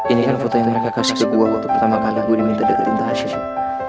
ini kan foto yang mereka kasih gue waktu pertama kali gue diminta deketin tahasya